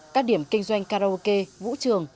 các điểm kinh doanh karaoke vũ trường